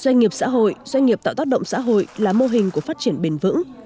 doanh nghiệp xã hội doanh nghiệp tạo tác động xã hội là mô hình của phát triển bền vững